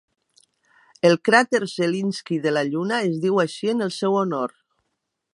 El cràter Zelinskiy de la Lluna es diu així en el seu honor.